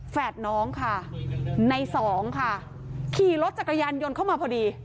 น้องค่ะในสองค่ะขี่รถจักรยานยนต์เข้ามาพอดี